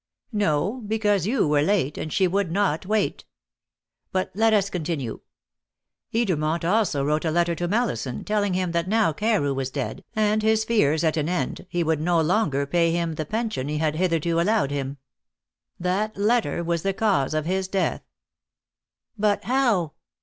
"No; because you were late, and she would not wait. But let us continue. Edermont also wrote a letter to Mallison, telling him that now Carew was dead, and his fears at an end, he would no longer pay him the pension he had hitherto allowed him. That letter was the cause of his death." "But how?"